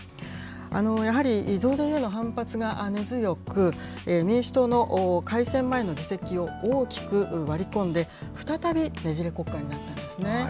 やはり増税への反発が根強く、民主党の改選前の議席を大きく割り込んで、再びねじれ国会になったんですね。